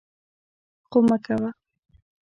خو مه کوه!